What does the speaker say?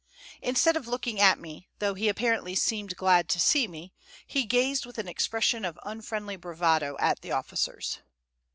Instead of looking at me, though he apparently seemed so glad to see me, he gazed with an expression of unfriendly bravado at the officers.